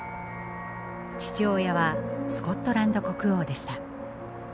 父親はスコットランド国王でした。